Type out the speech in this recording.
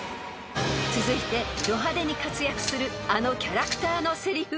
［続いてド派手に活躍するあのキャラクターのせりふ］